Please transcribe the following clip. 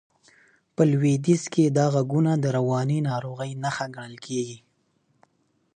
په لوېدیځ کې دا غږونه د رواني ناروغۍ نښه ګڼل کېږي.